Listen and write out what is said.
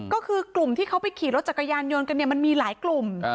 ก็คือกลุ่มที่เขาไปขี่รถจักรยานยนต์กันเนี่ยมันมีหลายกลุ่ม